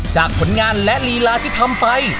ผลงานและลีลาที่ทำไป